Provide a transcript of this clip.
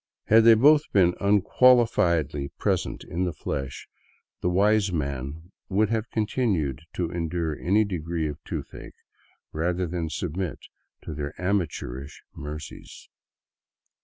Had they both been unqualifiedly present in the flesh, the wise man would have continued to endure any degree of toothache rather than submit to their amateurish mercies.